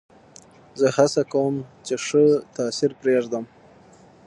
زه هڅه کوم، چي ښه تاثیر پرېږدم.